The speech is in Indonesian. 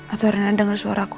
atau rina denger suara aku